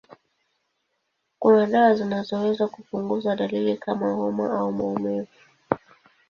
Kuna dawa zinazoweza kupunguza dalili kama homa au maumivu.